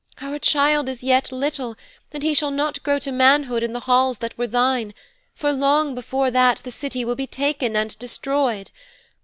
Our child is yet little, and he shall not grow to manhood in the halls that were thine, for long before that the City will be taken and destroyed.